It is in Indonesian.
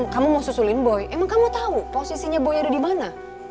kamu mau susulin boy emang kamu tahu posisinya boy ada di mana